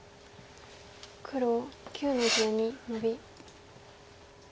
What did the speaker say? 黒９の十二ノビ。